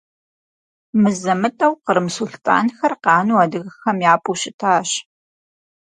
Мызэ-мытӀэу кърым сулътӀанхэр къану адыгэхэм япӀу щытащ.